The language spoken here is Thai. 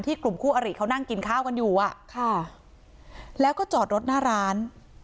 กลุ่มคู่อริเขานั่งกินข้าวกันอยู่อ่ะค่ะแล้วก็จอดรถหน้าร้าน